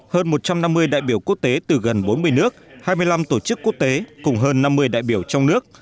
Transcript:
hơn một trăm năm mươi đại biểu quốc tế từ gần bốn mươi nước hai mươi năm tổ chức quốc tế cùng hơn năm mươi đại biểu trong nước